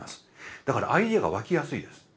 だからアイデアが湧きやすいです。